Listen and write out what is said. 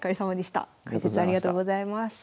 解説ありがとうございます。